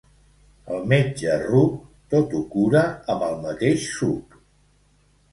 El metge ruc tot ho cura amb el mateix suc.